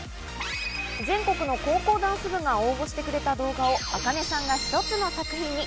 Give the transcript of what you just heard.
全国の高校ダンス部が応募してくれた動画をａｋａｎｅさんが一つの作品に。